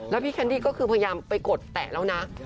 แล้วพี่แคนดี้ก็คือพยายามไปกดแตะแล้วนะ